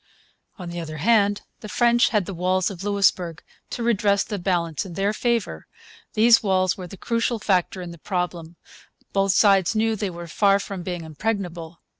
On the other hand, the French had the walls of Louisbourg to redress the balance in their favour. These walls were the crucial factor in the problem. Both sides knew they were far from being impregnable.